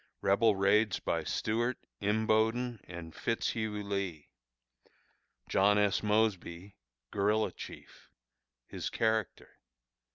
Rebel Raids by Stuart, Imboden, and Fitz Hugh Lee. John S. Mosby, Guerilla Chief. His Character.